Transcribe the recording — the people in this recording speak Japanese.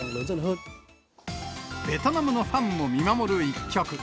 ベトナムのファンも見守る一局。